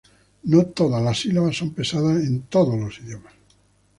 No todas las sílabas son pesadas en todos los idiomas.